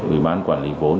ủy ban quản lý vốn